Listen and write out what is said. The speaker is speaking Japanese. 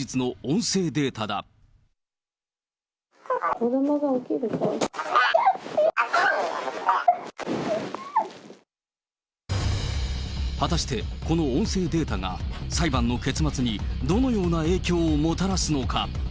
痛い、果たして、この音声データが裁判の結末にどのような影響をもたらすのか。